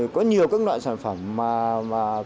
có nhiều các loại sản phẩm mà các đối tượng